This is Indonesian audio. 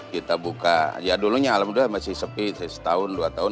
kita buka ya dulunya alhamdulillah masih sepi setahun dua tahun